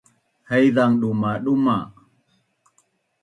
haizang dumaduma